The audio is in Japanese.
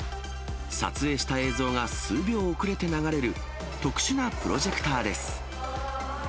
撮影した映像が数秒遅れて流れる特殊なプロジェクターです。